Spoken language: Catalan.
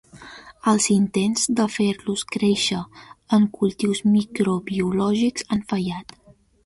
Els intents de fer-los créixer en cultius microbiològics han fallat.